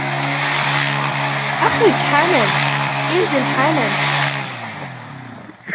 اخرج حالا! انزل حالا!